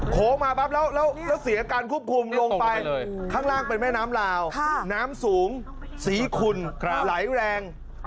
โค้งมาปั๊บแล้วเสียการควบคุมลงไปข้างล่างเป็นแม่น้ำลาวน้ำสูงสีขุ่นไหลแรง